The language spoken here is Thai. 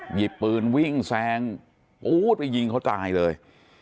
หยิบปืนวิ่งแซงปู๊ดไปยิงเขาตายเลย